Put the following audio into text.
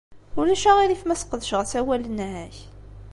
Ulac aɣilif ma sqedceɣ asawal-nnek?